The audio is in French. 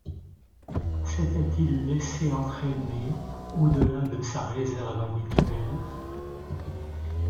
S’était-il laissé entraîner au-delà de sa réserve habituelle?